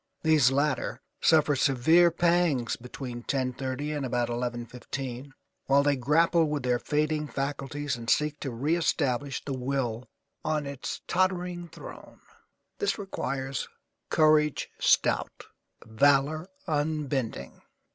These latter suffer severe pangs between 10:30 and about 11:15 while they grapple with their fading faculties and seek to reëstablish the will on its tottering throne. This requires courage stout, valour unbending.